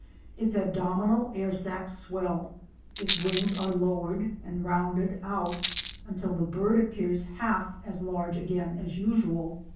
Its abdominal air sacs swell, its wings are lowered and rounded out until the bird appears half as large again as usual.